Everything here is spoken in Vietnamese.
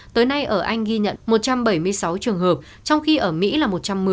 tới nay ở anh ghi nhận một trăm bảy mươi sáu trường hợp trong khi ở mỹ là một trăm một mươi